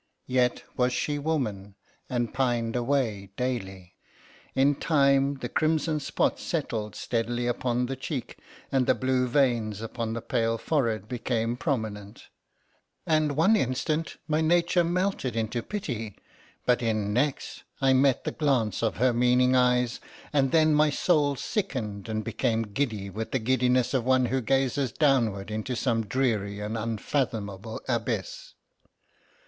Yet was she woman, and pined away daily. In time the crimson spot settled steadily upon the cheek, and the blue veins upon the pale forehead became prominent; and one instant my nature melted into pity, but in, next I met the glance of her meaning eyes, and then my soul sickened and became giddy with the giddiness of one who gazes downward into some dreary and unfathomable abyss.